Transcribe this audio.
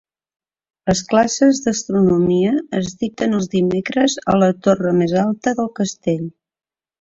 Les classes d'Astronomia es dicten els dimecres a la torre més alta del castell.